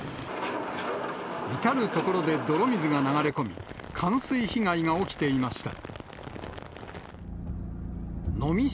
至る所で泥水が流れ込み、冠水被害が起きていました。